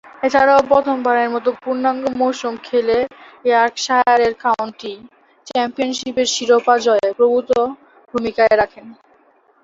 এছাড়াও প্রথমবারের মতো পূর্ণাঙ্গ মৌসুম খেলে ইয়র্কশায়ারের কাউন্টি চ্যাম্পিয়নশীপের শিরোপা জয়ে প্রভূতঃ ভূমিকায় রাখেন।